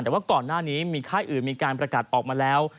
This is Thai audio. แต่ว่าก่อนหน้านี้มีค่ายอื่นมีการประกาศออกมาแล้ว